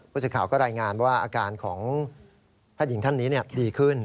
ผู้ชายข่าวก็รายงานว่าอาการของผ้าดินท่านนี้ดีขึ้น